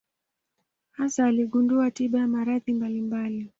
Hasa aligundua tiba ya maradhi mbalimbali.